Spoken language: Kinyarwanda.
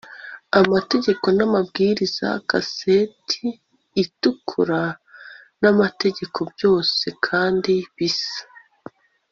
Amategeko amabwiriza kaseti itukura namategeko byose kandi bisa